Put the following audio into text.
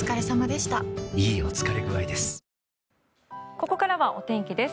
ここからはお天気です。